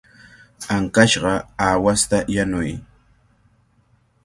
Ankashqa aawasta yanuy.